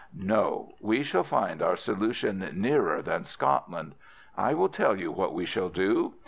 "No, we shall find our solution nearer than Scotland, I will tell you what we shall do.